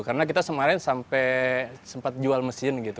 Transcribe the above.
karena kita semarin sampai sempat jual mesin gitu